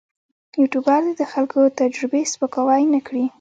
یوټوبر دې د خلکو تجربې سپکاوی نه کړي.